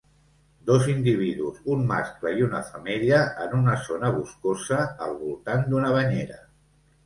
Dos individus, un mascle i una femella, en una zona boscosa al voltant d'una banyera.